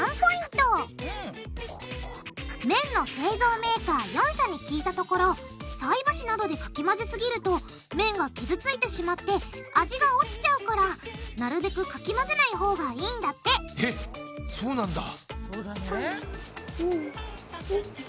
麺の製造メーカー４社に聞いたところさいばしなどでかき混ぜすぎると麺が傷ついてしまって味がおちちゃうからなるべくかき混ぜないほうがいいんだってえっそうなんだ。